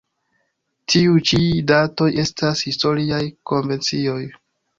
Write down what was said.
Tiuj ĉi datoj estas historiaj konvencioj.